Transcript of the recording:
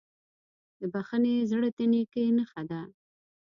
د بښنې زړه د نیکۍ نښه ده.